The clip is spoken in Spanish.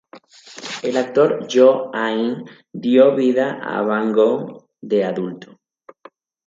El actor Yoo Ah-in dio vida a Bang-won de adulto.